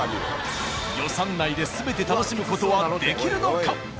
予算内で全て楽しむ事はできるのか？